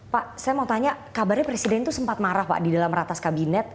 pak saya mau tanya kabarnya presiden itu sempat marah pak di dalam ratas kabinet